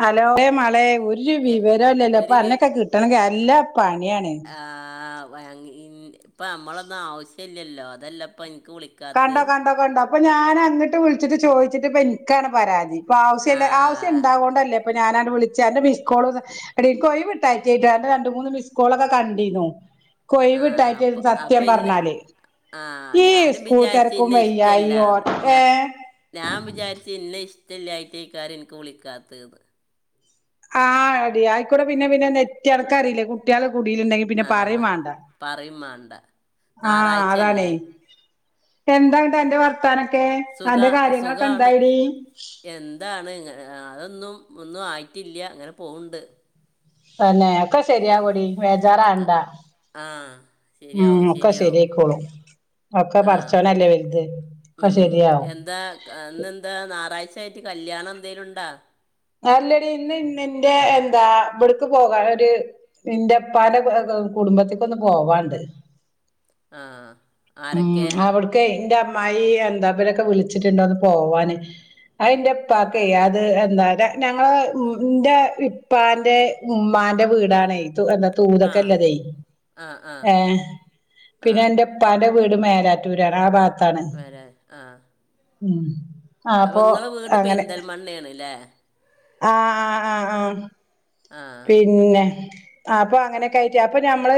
Hello മളെ ഒരു വിവരം ഇല്ലല്ലോ ഒരു അപ്പൊ അന്നൊക്കെ കിട്ടണെങ്കിൽ നല്ലാ പണിയാണ് ആഹ് ഇപ്പം നമ്മളൊന്നും ആവശ്യം ഇല്ലല്ലോ അതല്ലപ്പം ഇനിക്ക് വിളിക്ക കണ്ടോ കണ്ടോ കണ്ടോ അപ്പൊ ഞാൻ അങ്ങിട്ട് വിളിച്ചിട്ട് ചോദിച്ചിട്ട് ഇപ്പം എനിക്കാണ് പരാതി അപ്പ ആ ആവശ്യല്ല ആവശ്യ ഇണ്ടാവകോണ്ടല്ലേ ഇപ്പൊ ഞാന് അങ്ങോട്ട് വിളിച്ച അന്റെ മിസ്കോള് എടി എനിക്ക് ഒഴിവ് കിട്ടായ്ട്ടാന്റെ രണ്ടു മൂന്ന് മിസ് കോളൊക്കെ കണ്ടിനു ഇനികൊയ് ആ വിട്ടായിട്ടന്ന് അപ്പം സത്യം അപ്പം ഇന്ന പറഞ്ഞാല് ആ പ്ലീസ് ഞാനും സ്കൂൾ വിചാരിച്ച് തെരക്കും ഇന്നെ വയ്യായി ഇഷ്ടമല്ല ഓട്ട ഞാൻ ഏഹ് ഞാൻ വിചാരിച്ചു ഇന്നെ ഇഷ്ടല്ലായിട്ട് ഏയ്ക്കാര് ഇനിക്ക് വിളിക്കാത്തത് ആഹ് എടി ആയിക്കൂടെ പിന്നെ പിന്നെ നെറ്റ് അനക്കാറിയില്ലെ കുട്ടികള് കുടില് ഉണ്ടെങ്കിൽ പിന്നെ ആ പറയും വാണ്ട പറയും വേണ്ട ആഹ് ഞായറാഴ്ച അതാണ് അല്ലേ എന്താണ്ട് അന്റെ വർത്താനൊക്കെ സുഖ അന്റെ കാര്യങ്ങളൊക്കെ സുഖമാണ് എന്തായെടി എന്താണ് ഇങ്ങ അതൊന്നും ഒന്നും ആയിട്ടില്ല ഇങ്ങനെ പോക്ണ്ട് തന്നെ ഒക്കെ ശരിയാവുമെടി ആ വേജാറാവണ്ട. ആ, ഉം ശരിയാവും ഒക്കെ ശരി ശരിയാവും ആയിക്കോളും. ഒക്കെ ആഹ് പടച്ചോനല്ലേ വലുത്. ഒക്കൊ ശെരിയാവും. ഇന്ന് എന്താ ഞായറാഴ്ച ആയിട്ട് കല്യാണം എന്തേലും ഉണ്ടാ. അല്ലടി ഇന്ന് ഇന്ന് എന്റെ എന്താ ഇവിടക്ക് പോകാൻ ഒരു ന്റെ ഉപ്പാൻ്റെ കുടുംബത്തേക്കു ഒന്ന് പോവാണ്ട്. ആഹ് ഉം ആരൊക്കെ? അവിടക്ക് എന്റെ അമ്മായ് എന്താപ്പ ഇവരൊക്കെ വിളിച്ചിട്ടുണ്ടോന്ന്. പോവാന് അതിന്റെ ഉപ്പാക്കെ അത് എന്താ ഞങ്ങള് ന്റെ ഉപ്പാന്റെ ഉമ്മാന്റെ വീടാണ്. തു എന്താ ആഹ് തൂതൊക്കെല്ലതെ ആഹ് ആഹ് ഏഹ് പിന്നെ ആഹ് എന്റെ ഉപ്പാൻ്റെ വീട് മേലാറ്റൂരാണ്. ആ ഭാഗ വേരാ ആഹ് ഉം ആ അപ്പോൾ അപ്പൊ നിങ്ങളെ വീട് പെരിന്തൽമണ്ണ ആണ്ല്ലേ? ആഹ് ആഹ് ആഹ് ആഹ് ആഹ് പിന്നെ ആഹ് അപ്പൊ അങ്ങനൊക്കെ ആയിട്ട് അപ്പൊ നമ്മള്.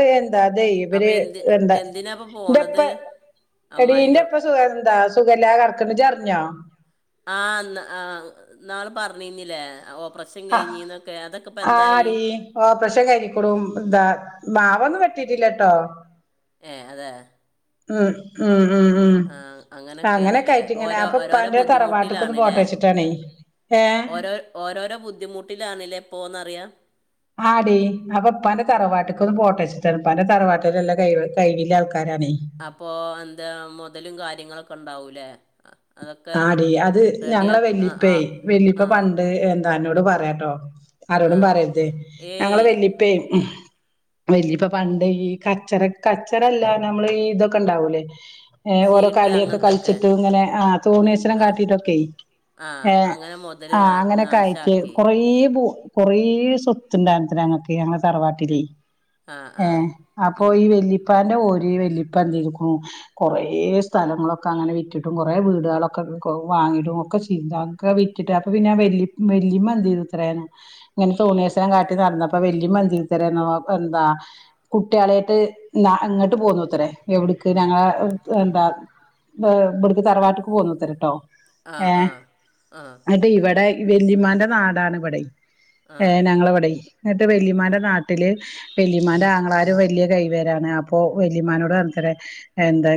അതെ അപ്പൊ ഇവര് എന്തി എന്താ എന്തിനാപ്പൊ പോണത് വെപ്പ് എടി അമ്മായിന്റെ നിൻ്റെ ഉപ്പ കൂടെ സുഖാ എന്താ സുഖമില്ലാതെ കിടക്ക്ണ്ട്. ച് അറിഞ്ഞോ? ആഹ ആഹ് ഇന്നാള് പറഞ്ഞിരുന്നില്ലേ ഓപ്പ കഴിഞ്ഞിനൊക്കെ. ആഹ് ടി ഓപ്പറേഷൻ കഴിഞ്ഞ്ക്ണു. ഥ മാവൊന്നും വെട്ടിട്ടില്ലട്ടോ? ഏഹ് അതെ ഉം ഉം ഉം ആഹ് ഉംഅങ്ങനെ അങ്ങനൊക്കെയാണ്ല്ലേ കയറ്റി ഇങ്ങനെ ഓരോ അപ്പൊ ഓരോരോ ഉപ്പാൻ്റെ തറവാട്ടക്ക് ഒന്ന് ബുദ്ധിമുട്ടിലാണ്ല്ലേ പോട്ടാച്ചിട്ട്. കണ് ഏഹ് ഓരോ ഓരോരോ ബുദ്ധിമുട്ടിലാണ്. ല്ലേ പ്പോന്നറിയ. ആടി അപ്പൊ ഉപ്പാന്റെ തറവാട്ടക്ക് ഒന്ന് പോട്ടെ എന്ന് വെച്ചിട്ടാണ് ഉപ്പാന്റെ തറവാട്ടിലോര്ല്ലാം കഴ്‌വ് ഉള്ള ആൾക്കാരാണേ. അപ്പൊ എന്താ മുതലും കാര്യങ്ങളൊക്കെ ഉണ്ടാവൂലേ? അതൊക്കെ ആടി അത് ഞങ്ങളെ റെഡിയാക്ക ആ വല്ലിപ്പേ ആ വല്ലിപ്പ ആ പണ്ട്. ന്നോട് പറയാട്ടോ ആ ആരോടും പറയരുത്. ഞങ്ങള് ഏയ് വെല്ലിപ്പ വലിയ ഇപ്പ പണ്ട് ഈ കച്ചറ കച്ചറല്ല നമ്മള് ഇതൊക്കെ ഇണ്ടാവൂലേ ഓരോ ചീട്ട് കളിയൊക്കെ അങ്ങനത്തൊക്കെ കളിച്ചിട്ടും ഇങ്ങനെ ആ തോണേശ്വരം ആ കാട്ടിയിട്ടൊക്കെ. ആ ഏ അങ്ങനെ മുതൽ ആ നാ അങ്ങനെയൊക്കെ ആയിട്ട്. നാശാക്കി കൊറ ഭു കൊറ സ്വത്ത്ണ്ടായിത ഞങ്ങക്ക് ഞങ്ങെ തറവാട്ടില്. ആ ഏ ആ അപ്പൊ ഉം ഈ വി പ്പാന്റെ ഒരി വല്ലിപ്പ എന്തരിക്കുന്നു കൊറേ സ്ഥലങ്ങളൊക്കെ അങ്ങനെ വിറ്റിട്ടും. കൊ കുറേ വീടുകളൊക്കെ വാങ്ങിടും ഒക്കെ ചെയന്തക്കെ വിറ്റിട്ട് അപ്പൊ പിന്നെ വ വല്യമ്മന്ത് ചൊയ്തുത്ര. ഇങ്ങനെ തൂണിയസനം കാട്ടി നടന്നപ്പ വലിമ്മ. ത്തര എന്ന എന്താ കുട്ടികളായിട്ട് ഇങ്ങോട്ട് പോന്നുത്രേ എവിടക്ക് ഞങ്ങള എന്താ ഇവിടുക്ക് തറവാട്ടക്ക് പോന്ന്ത്തരട്ടോ ആ ഏ ആ ആ എന്നിട്ട് ഇവിടെ വെല്ലിമാന്റെ നാടാണ് ഇവിടെ ആ ഏ ഞങ്ങള ഇവിടെ എന്നിട്ട് വെലിമാന്റെ നാട്ടില്. വല്യമാന്റെ ആങ്ങളാര് വല്യ കൈവൊരാണ്. അപ്പൊ വല്യമാനോട് പറഞ്ഞത്രേ എന്താ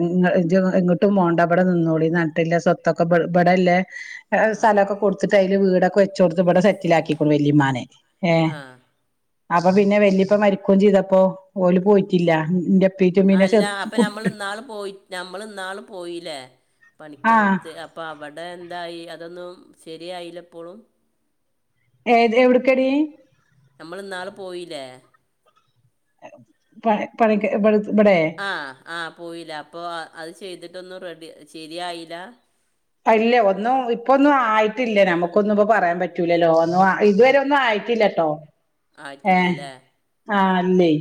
ഇങ്ങോട്ടും പോണ്ട ഇ ഇ നിന്നോളിം പറഞ്ഞിട്ട് സ്വത്തൊക്കെ ഇവടള ആ സ്ഥലകൊ. കൊടുത്തിട്ട് അതില് വീട്ക്കെ വെച്ച് കൊടുത്ത് ഇവിടെ സെറ്റിലകി ക്ണു. വല്യമാനെ ഏ ആ അപ്പൊ പിന്നെ വല്ലിപ്പ മരിക്കും ചെയ്തപ്പോ ഓല് പോയിറ്റില്ല. അല്ല അപ്പൊ നമ്മൾ ഇന്നാള് പോയി നമ്മൾ ഇന്നാള് പോയില്ലേ ആഹ് പണിക്കരരുത്ത്. അപ്പം അവിടെ എന്തായി അതൊന്നും ശരിയായില്ലപ്പോളും. ഏ എവിക് കടി. നമ്മള് ഇന്നാള് പോയില്ലേ? പ പണിക് പടുത്ത് ഇവടയെ ആഹ് ആഹ് പോയില്ല അപ്പോൾ അത് ചെയ്തിട്ടൊന്നും റെഡി ശരിയായില്ല അല്ലെ ഒന്നും ഇപ്പൊന്നും ആയിട്ടില്ല നമുക്കൊന്നും ഇപ്പ പറയാൻ പറ്റൂലല്ലോ ഒന്നും ഇതുവരെ ഒന്നും ആയിട്ടില്ല ട്ടോ ഏ ആയിട്ടില്ലല്ലേ ആഹ് അല്ലേ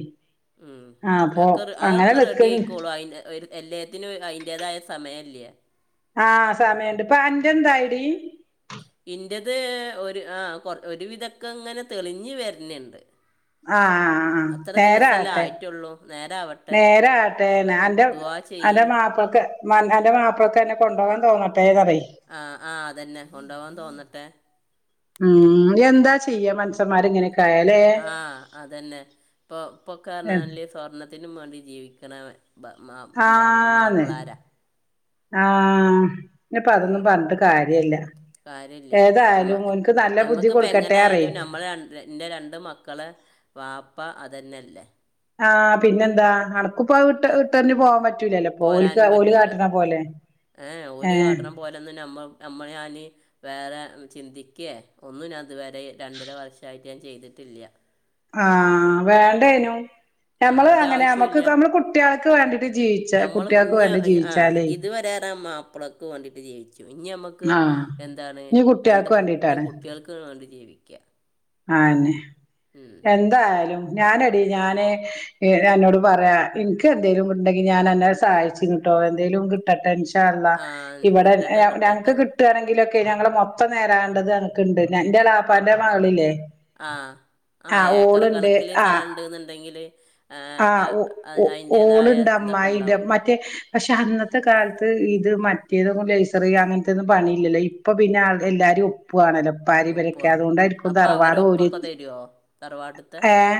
ഉം ആ അപ്പൊ അതൊക്ക അങ്ങനെ അതൊക്കെ റെഡി നിക്ക്ണ്ട് ആയിക്കോളു അതിന്റ എല്ലയത്തിനും അതിന്റേതായ സമയല്യ ആഹ് സമയമുണ്ട് ഇപ്പൊ അന്റെ എന്തായെടി ഇന്റത് ഒരു ആഹ് ഒരുവിധൊക്കെ ഇങ്ങനെ തെളിഞ്ഞ് വരുന്നുണ്ട് ആഹ് ആഹ് ആഹ് അത്ര ദിവസമല്ലേ നേരാകട്ടെ ആയിട്ടുള്ളൂ നേരാവട്ടെ നേരെ ആകട്ടേന്നെ അന്റെ ദുവാ അന്റെ ചെയ്യ് മാപ്പിൾക്ക് അന്റെ മാപ്പിൾക്ക് അന്നെ കൊണ്ട്പോകാൻ തോന്നട്ടെ പറയി ആഹ് ആഹ് അതന്നെ കൊണ്ടുപോവാൻ തോന്നട്ടെ ഉം എന്താ ചെയ്യാ മനസ്സന്മാർ ഇങ്ങനെക്ക ആഹ് അതന്നെ ഇപ്പൊ ഇപ്പൊക്കറഞ്ഞാല് സ്വർണത്തിനും വേണ്ടി ജീവിക്കണ മാ എന്താണ് മാപ്പളാര ആഹ് ഇപ്പ അതൊന്നും പറഞ്ഞിട്ട് കാര്യല്ല കാര്യല്ല നമ്മ ഏതായാലും ഓൻക്ക് നല്ല ബുദ്ധി നമ്മുക്കിപ്പ കൊടുക്കട്ടെ എങ്ങനെ പറയ് ആയാലും നമ്മളെ എൻ്റെ രണ്ട് മക്കളെ വാപ്പ അതന്നെയല്ലേ ആഹ് പിന്നെന്താ അണക്കിപ്പോവിട്ട വിട്ടെറിഞ്ഞ് പോവാൻ പറ്റൂലല്ലോ ഓൽക്ക പോരാനും ഓല് പറ്റൂല കാട്ടണ പോലെ ഏഹ് ഓലൊന്നും നമ്മ നമ്മളെയാല് വേറെ ചിന്തിക്കേ ഒന്നും ഞാൻ ഇതുവരെ രണ്ടര വർഷായിട്ട് ഞാൻ ചെയ്തിട്ടില്ല ആഹ് വേണ്ടേനു ആ ഞമ്മള് അതിൻ്റെ അങ്ങനെ നമ്മക്ക് ഇപ്പ ആവശ്യമില്ല നമ്മള് കുട്ടികൾക്ക് വേണ്ടിട്ട് ജീവിച്ചു നമ്മൾ ഇനി ആഹ് ഇത് വരെ മാപ്പിളക്ക് വേണ്ടിട്ട് ജീവിച്ചു ഇനി നമ്മക് ക്ക് ആഹ് എന്താണ് ഇഞ്ഞ് രണ്ട് കുട്ട്യാൾക്ക് കുഞ്ഞ് വേണ്ടിട്ടാണ് കുട്ടികൾക്ക് വേണ്ടി ജീവിക്കുക ആന്ന് ഉം. എന്തായാലും ഞാനെടി ഞാന് എന്നോട് പറയാം എനിക്ക് എന്തേലും ഉണ്ടെങ്കി ഞാൻ അന്നെ സഹായിച്ചിടുംട്ടോ എന്തേലും കിട് ട്ടട്ടെ ഇൻഷാ അല്ലാഹ് ആ ഇവിടെ കിട്ടട്ടെ കിട്ടട്ടെ ഞങ്‌ക്ക് കിട് കിട്ടുകാണെങ്കിലൊക്കെ ഞങ്ങള് മൊത്തം നേരാണ്ടത് അനക്ക്ണ്ട് എന്റെ എളാപ്പാന്റെ മകളില്ലേ ആഹ് ആ ആഹ് ഏക്കറ് ഓളുണ്ട് കണക്കില് ആ സ്ഥലണ്ട്ന്നുണ്ടെങ്കില് അയ്ന്റെതായ അമ്മായിന്റെ മറ്റേ പക്ഷെ അന്നത്തെ കാലത്ത് ഇത് മറ്റേതും ലേസർ [unintelligible] പണിയില്ലല്ലോ ഇപ്പൊ പിന്ന എല്ലാരും പോവുവാണല്ലോ [unintelligible] രൊക്കെ അതുകൊണ്ടായിരിക്കും പ്പൊ അവരു തറവാട് ഓര് ഒപ്പൊക്കെ തരുവോ തറവാട്ട്ത്തെ ഏഹ്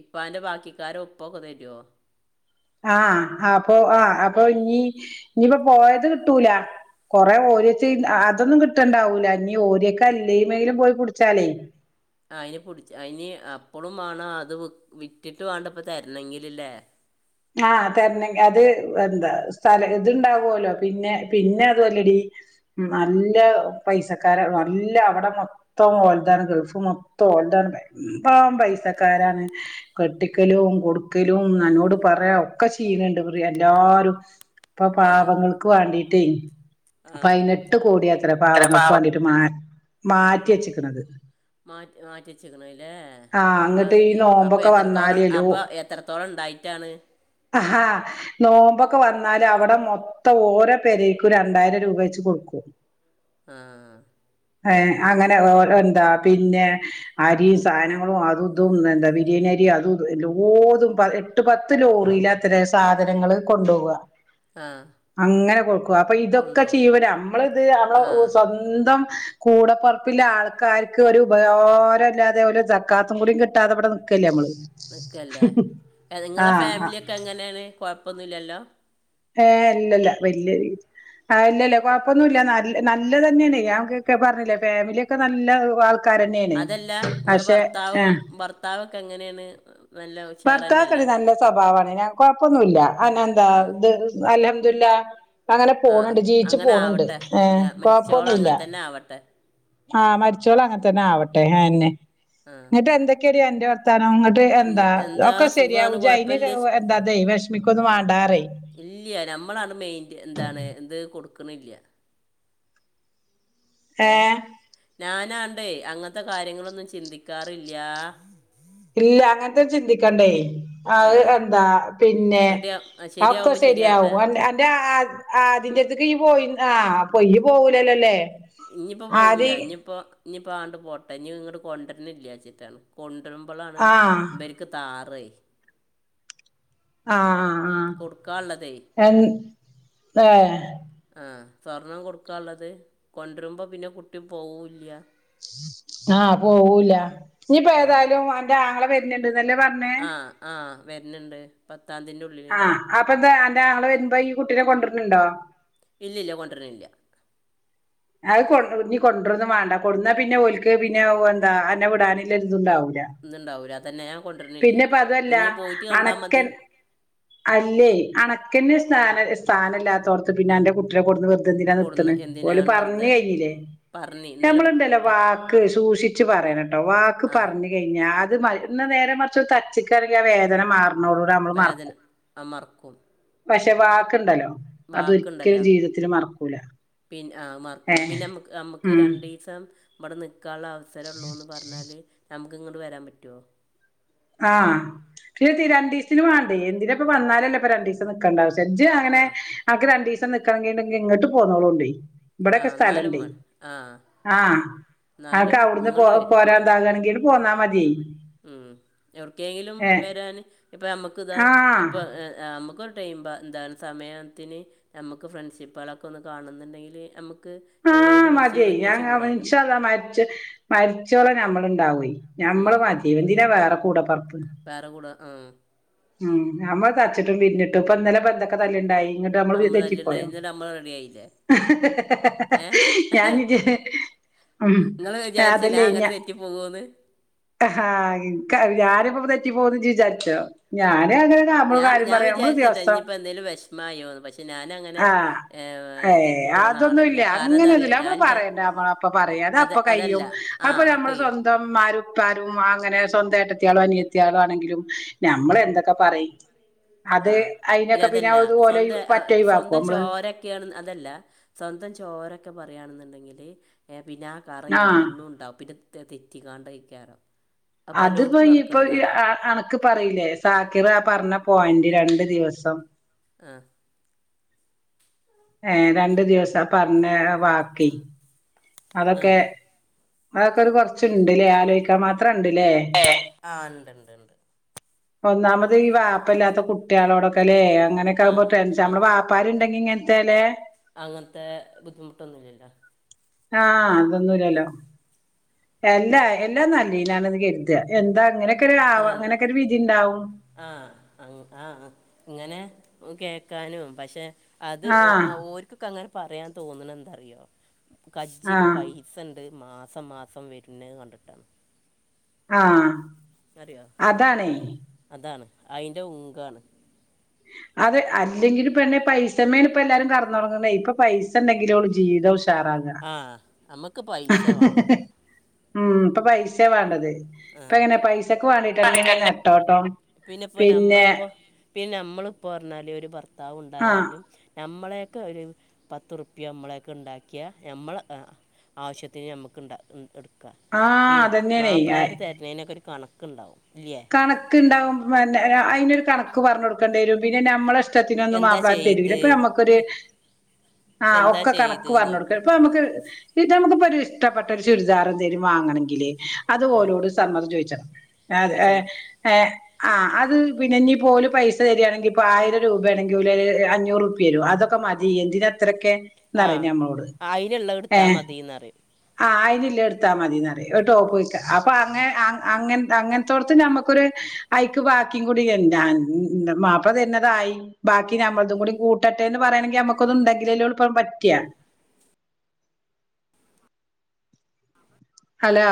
ഇപ്പാന്റെ ബാക്കിക്കാര ഒപ്പൊക്കെ തരുവോ ആഹ് അപ്പൊ ആഹ് അപ്പൊ ഇനി ഇനിയിപ്പ പോയത് കിട്ടൂല കൊറേ ഓരിചെ അ അതൊന്നും കിട്ടണ്ടാവൂല ഇനി ഓരിയൊക്കാനില്ലേമെല് പോയി പുടിച്ചാലേ ആ ഇനി പുടിച്ച അ ഇനി അപ്പളും മാണം അത് വി വിട്ടിട്ട് വാണ്ടപ്പ തര്ണെങ്കിലില്ലേ ആഹ് തരണെങ്കി അത് എന്താ സ്ഥലം ഇതുണ്ടാവുല്ലോ പിന്നെ പിന്നെ അതുവല്ലെടി ഉം നല്ല പൈസക്കാര നല്ല അവിടെ മൊ മൊത്തം ഓൽതാണ് ഗൾഫ് മൊത്തം ഓൽതാണ് ഭയമ്പം പൈസക്കാരാണ് കെട്ടിക്കലും കൊടുക്കലും നന്നോട് പറയാ ഒക്കെ ചെയ്ണണ്ട് എല്ലാരും ഇപ്പൊ ആ പാവങ്ങൾക്ക് വാണ്ടിട്ടെ ആ പയിനെട്ട് കോടിയാത്രെ പാവങ്ങൾക്ക് വാണ്ടിട്ട് ട്ട് മാറ്റ് മാറ്റി വച്ചിക്ക്ണത് മാറ്റ് മാറ്റിച്ച്ക്ക്ണല്ലേ ആഹ് അപ്പ അങ്ങട്ട് ഈ എ അപ്പൊ നോമ്പൊക്കെ എത്രത്തോളം വന്നാലേലോ അപ്പ എത്രത്തോളം ണ്ടായിട്ടാണ് ആഹാ നോമ്പൊക്കെ വന്നാല് അവിടെ മൊത്തം ഓരോ പേരേക്കും രണ്ടായിരം രൂപ വെച്ച് കൊടുക്കും [inaudible] ആഹ് ഏഹ് അങ്ങനെ ഓരോ എന്താ പിന്നെ അരിയും സാനങ്ങളും അതു ഇതും എന്താ ബിരിയാണി അരിയും അതും ഇതു എല്ലോതും പ എട്ട് പത്ത് ലോറിൽ അത്ര സാധനങ്ങള് കൊണ്ടോവ ആ അങ്ങനെ കൊടുക്കുവ അപ്പൊ ഇതൊക്കെ കൊണ്ടുപോകും ചീവന നമ്മളത് ആ നമ്മള സൊ ന്തം കൂടെപ്പറപ്പില്ല ആൾക്കാർക്ക് ഒരു ഉപകാരൊല്ലാതെ ഓല സക്കാത്തും കൂടിയും കിട്ടാതെ ഇവിടെ ക്കെല്ലമ്മള് നിക്കല്ലേ നിങ്ങളെ ആഹ് ഫാമിലിയൊക്കെ എങ്ങനെയാണ് കൊഴപ്പൊന്നുല്ലല്ലോ ഏഹ് ഇല്ലല്ല വല്യ രീതി ആ ഇല്ലല്ല കൊഴപ്പൊന്നുല്ല നല്ല നല്ലതന്നെയണ് ഞക്കെക്കെ പറഞ്ഞില്ലേ ഫാമിലിയൊക്കെ നല്ല ആൾ അതല്ല ഇങ്ങള് ഭർത്താവും ഏഹ് ഭർത്താവൊക്കെ എങ്ങനെണ് ഭർത്താവൊക്കടി നല്ല സ്വഭാവാണ് ഞാൻ കൊഴപ്പൊന്നുല്ല അന്നന്താ ആ ഇത് അൽഹംദുല്ല അങ്ങനെ ആ പോണണ്ട് ജീവിച്ച് അങ്ങനെ പോണണ്ട് ഏഹ് കൊഴപ്പൊന്നുല്ല നാവട്ടെ ആഹ് മരിച്ചോളം അങ്ങൻ തന്നവട്ടെ ആന്നെ ആ എന്നിട്ട് എന്തെക്കെയാടി അന്റെ വർത്താനംങ്ങട്ട് ട്ട് എന്താ ഇന്റെ- ഒക്കെ ശെരിയാവു സുഖമാണ് ഇജ്ജ് അയിന് കുഴപ്പമില്ല എന്താ ഇതേ വെശ്മിക്കൊന്നു വണ്ടാറീ ഇല്ല നമ്മളാണ് മെയിന്റ് എന്താണ് എത് കൊടുക്കണില്ല ഏഹ് ഞാനാണ്ടേ അങ്ങൻത്തെ കാര്യങ്ങളൊന്നും ചിന്തിക്കാറില്ല ഇല്ല അങ്ങൻത്തെ ചിന്തിക്കണ്ടേ ആ അത് എന്താ പിന്നെ റെഡി ആ അഒക്ക ശരിയാവുമ്പോൾ ശരിയാവട്ടെ ശെരിയാവും അൻ അന്റെ ആ ആതിന്റെത്തേക്ക് ഇയ്യ്‌ പോയി ആ പൊയ് ഇയ്യ്‌ പോവുലല്ലോല്ലേ ഇഞ്ഞിപ്പോ പോവൂല്ല ഇഞ്പ്പൊ ഇഞ്ഞിപ്പോ ആണ്ട് പോട്ടെ ഇഞ് ഇങ്ങട്ട് കൊണ്ടാർന്നില്ലാന്ന് വെച്ട്ടാൻ കൊണ്ടരുമ്പോളാണ് ആഹ് ഇബര്ക്ക് താറേ ആ ആ ആ കൊടുക്കാനുള്ളതേ എൻ ഏഹ് ആഹ് സ്വർണം കൊടുക്കാള്ളത് കൊണ്ടര്മ്പോ പിന്നെ കുട്ടി പോവുല്ല ആഹ് പോവൂല്ല ഇനിയിപ്പോ ആ ഏതായാലും അന്റാങ്ങളെ വര്ണണ്ട് ന്നല്ലേ പർ ആഹ് ആഹ് വര്ണണ്ട് പത്താംതിന്റെ ആഹ് അപ്പൊ എന്താ അന്റെ ആങ്ങള വരുമ്പോ ഈ കുട്ടിനെ കൊണ്ടര്ണണ്ടോ ഇല്ല ഇല്ല കൊണ്ടുവരണില്ല അത് കൊ ഇനി കൊണ്ടന്ന് വേണ്ട കൊട്ന്ന പിന്നെ ഓലക്ക് പിന്നെ എന്താ എന്നന്നെ വിടാനില്ല ഇതുംണ്ടാവൂല. ഇന്തുണ്ടാവൂല്ല അതന്നെ ഞാൻ കൊണ്ടുവരുന്നില്ല അതുമല്ല ഇനി പോയിട്ട് കണ്ടാൽ മതി. അണക്കൻ അല്ലേ അണക്കെന്നെ സ്ഥാന സ്ഥാനല്ലാത്തോടത്ത് പിന്നെ എന്റെ കുട്ടെ കൊടുന്ന് വ. എന്തിനാ കൊടുന്ന് നിർത്തണ് ഓൽ എന്തിനാണ് പറഞ് വെറുതെ കഴിഞ്ഞില്ലേ. പറഞ്ഞ് ഇന്നലെ നമ്മൾ ഉണ്ടല്ലോ പ വാക്ക് സൂക്ഷിച്ച് പറയനട്ടോ വാക്ക് ആ പറഞ്ഞ്. കഴിഞ്ഞ അത് ഇന്ന് നേരെ മറച്ച് തച്ചക്കിറങ്ങി ആ വേദന മാറണോള്ളൂ നമ്മള് വേദന മറക്കും ആ മറക്കും പക്ഷെ വാാക്കണ്ടല്ലോ ബാാക്കുണ്ടല്ലോ പിന്ന ആ മറ ന ഏ ഒരു പിന്നെ നമുക്ക് ഉം രണ്ടീസം ഇവിടെ നിക്കാനുള്ള അവസരംള്ളൂന്ന് പറഞ്ഞാല് നമുക്ക് ഇങ്ങട്ട് വരാൻ പറ്റൊ ആഹ് പിന്നെ രണ്ടീസത്തിന് വേണ്ടേ എന്തിനപ്പ വന്നാലല്ലോ ഇപ്പൊ രണ്ട ണ്ടാവെജ് അങ്ങനെ ആ ആക്ക് രണ്ടു ദിവസം നക്കണമെെങ്ക ഇങ്ങോട്ട് പോന്നോളോണ്ടേ ആ ഇവിടെൊക്കെ എന്നാലും സ്ഥലംണ്ടേയ് വേണം ആ ആഹ് അക്കെ എന്നാലും അവിടുന്ന് പോ ഇങ്ങോട്ട് വരില്ല പോരാതാകയാണെങ്കിലും പോന്ന മതി. ഉം എർക്കെങ്കിലും ഏ വരാൻ ഇപ്പോ. നമ്മുക്ക് ഇതാ ആഹ് ഇപ്പോ നമുക്ക് ടൈ എന്താണ് സമയത്തിന് നമുക്ക് ഫ്രണ്ട്ഷിപ്പുകളൊക്കെ ഒന്ന് കാണുന്നുണ്ടെങ്കിൽ നമുക്ക് ആഹ് എവിടെയെങ്കിലും വെച്ച് മതിയെ ഒരുമിച്ച് ഞാൻ കൂടാമല്ലോ ഇൻഷാ അള്ളാ. മരിച്ചോള നമ്മൾ ഉണ്ടാവയി ഞമ്മള് ഉം ന്തിനെ വേറെ കൂടെപ്പറപ്പു വേറെ കൂട ആഹ് ഉം നമ്മള് തച്ചിട്ടും പിര്ന്നിട്ടും ഇപ്പൊ ഇന്നലെ ബന്ന്തൊക്കെ തല്ലുണ്ടായി് നമ്മള് അല്ലണ്ട ന്നട്ട് നമ്മള് റെഡി ആയില്ലേ ഏ ഞാനിത് ഉം. നിങ്ങൾ വിചാരിച്ചില്ല അതല്ലേ ഞാൻ ഞ അങ്ങനെ തെറ്റിപ്പോകുമെന്ന് ഹാ ഇൻക്ക, ഞാനിപ്പോ തെറ്റി പോവൂന്ന് ഇജ്ജ് വിചാരിച്ചോ? ഞാനങ്ങനെ ഞാൻ ഞാൻ വിചാരിച്ചത് ഇനിയിപ്പോ എന്തേലും വിഷമായോന്ന്. പക്ഷെ ഞാനങ്ങനെ ഏഹ് തെറ്റി പോണ ആളല്ല അതൊന്നുല്ല, കാരണം എന്താ അങ്ങനെയൊന്നുല്ല. അറിയോ ഞാൻ അതമ്മള് എൻ്റെ പറയണ്ടെ അമ്മളപ്പ പറയും. അത് അതപ്പ അതല്ല കയ്യും. ആ അതിപ്പോ ഒക്കെ ഞമ്മളെ ചെയ്യും സ്വന്തം ഇമ്മാരും ഇപ്പാരും അങ്ങനെ സ്വന്തം ഏട്ടത്തിയാളും അനിയത്തിയാളും ആണെങ്കിലും ഞമ്മളെ എന്തൊക്കെ പറയും. ആ അത് അയിനൊക്കെ പിന്നെ ഇത് പോലെ പറ്റെ ഒയിവാക്ക്വോ ഇമ്മള്? ക്കേണ് അതല്ല. സ്വന്തം ചോരൊക്കെ പറയാണെന്നുണ്ടെങ്കില് ഏഹ് പിന്നാ ആഹ് കറയെന്നുണ്ടാവും. പിന്നെ തെറ്റിങ്ങാണ്ടയ്ക്കാറം. അതിപ്പോ ഇപ്പൊ എന ക്ക് പറയില്ലേ സാക്കിറ ആ പറഞ്ഞ പോയിന്റ് രണ്ട് ദിവസം ആഹ്. ഏഹ് രണ്ട് ദിവസം പറഞ്ഞ ബാക്കി അതൊക്കെ, ആഹ് അതൊക്കെ ഒരു കൊറച്ച്ണ്ട്ല്ലേ, ആലോചിക്കാൻ മാത്രം ഇണ്ട്ല്ലേ? ഏഹ്? ആഹ് ഇണ്ട്ണ്ട് ഇണ്ട്. ഒന്നാമത് ഈ വാപ്പല്ലാത്ത കുട്ട്യോളോടൊക്കെല്ലേ? അങ്ങനെയൊക്കെ ആകുമ്പോ ആഹ് ടെൻഷൻ. നമ്മള് വാപ് പ്പാര്ണ്ടെങ്കി ഇങ്ങനത്തേലെ അങ്ങൻത്തെ ബുദ്ധിമുട്ടൊന്നുല്ലല്ലോ? ആഹ് അതൊന്നുല്ലല്ലോ. എല്ലാ എല്ലാം നല്ലീനാണന്ന് കര്താ. എന്താ അങ്ങനെയൊക്കെ ആ അത്രന്നെ അങ്ങനെയൊക്കെ ഒരു വിധിണ്ടാവും. ആഹ് ആഹ് ഇങ്ങനെ കേക്കാനും, പക്ഷെ അത്, ആഹ് ഓർക്കൊക്കെ അങ്ങനെ പറയാൻ തോന്നണ എന്താറിയോ കജ്ജില് ആഹ് പൈ സണ്ട്. മാസം മാസം വര്ണത് കണ്ടിട്ടാണ്. ആഹ്. അറിയ്യോ? അതാണേ അതാണ് അയിന്റെ ഹുങ്കാണ്. അതെ അല്ലെങ്കില് പിന്നെ പൈസമ്മേണ് ഇപ്പ എല്ലാരും കെടന്നൊറങ്ങ്ന്നേ? ഇപ്പൊ പൈസ ഇണ്ടെങ്കിലേ ഓലു ജീവിതവും ഉഷാറാവു ആഹ് നമ്മക്ക് പൈസയാ വേണ്ടത്. ഉം ഇപ്പ പൈസയാ വേണ്ടത്. ആഹ് ഇപ്പെങ്ങനെ പൈസക്ക് വേണ്ടിട്ടന്നെണീ നെട്ടോട്ടം. ഇപ്പോൾ പിന്നെ നമ്മളിപ്പോൾ പിന്നെ അമ്മളിപ്പോറഞ്ഞാല് ഒരു ഭർത്താവ് ആഹ് ഇണ്ടായാലും ഞമ്മളെയൊക്കെ ഒരു പത്തുറുപ്പ്യ ഇമ്മളെയൊക്കെ ഉണ്ടാക്കിയാൽ ഞമ്മളെ ആഹ് ആവശ്യത്തിന് ഞമ്മക്ക് ഇണ്ട എട്ക് ആഹ് അതന്നെയാണേ ഏഹ്. തര്ന്നേനൊക്കെ ഒരു കണക്ക്ണ്ടാവും. ഇല്ല്യേ? കണക്ക്ണ്ടാവും. പിന്നെ അയിനൊരു കണക്ക് പറഞ്ഞ് കൊടുക്കണ്ട വരും. പിന്നെ ഞമ്മളെ ഇഷ് ടത്തിനൊന്നും എന്താ മാപ്പ്ളാര് തരൂല്ല. ചെയ്ത് ഇപ്പൊ നമുക്കൊരു ആഹ് എന്താ ഒക്കെ ചെയ്ത് കണക്ക് എന്ന് പറഞ്ഞൊടുക്കണം. ചോദിക്കും ഇപ്പൊ നമ്ക്ക് ഈ ടൈമൊക്കെ ഇപ്പൊ ഒരു ഇഷ്ടപ്പെട്ട ചുരിദാർ എന്തേലും വാങ്ങണങ്കില് അത് ആ ഓരോട് സമ്മതം ചോയിച്ചണം. ഏഹ് ചോദിച്ചണം ഏഹ്. ആഹ് അത് പിന്നെ ഇനിപ്പൊ ഓല് പൈസ തരാണെങ്കിൽ ഇപ്പോ ആയിരം രൂപയാണെങ്കിൽ ഓല് അഞ്ഞൂറുറ്പ്പ്യ തരും. അതൊക്കെ മതി ഇയ്യെന്തിനാ അത്രയൊക്കെ എന്നറയും ഞമ്മളോട്. ഏഹ് ഇന്നറിയും. ആഹ് അയിന്ള്ള എട്ത്താ മതീന്നറയും ഒരു ടോപ്പൊയിക്ക. അപ്പൊ അങ്ങനെ അങ്ങ അങ്ങനത്തോടത്ത് ഞമ്മക്കൊരു അയിക്ക് ബാക്കിയും കൂടി, എന്താ മാപ്പ്ള തരുന്നതു ആയി ബാക്കി ഞമ്മളതും കൂടി കൂട്ടട്ടെ എന്ന് പറയണെങ്കി നമുക്ക് ഒന്ന് ഇണ്ടെങ്കിലല്ലെള്ളു ഇപ്പഴും പറ്റ്വാ? ഹലോ?